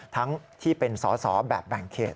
ทั้งที่เป็นสอสอแบบแบ่งเขต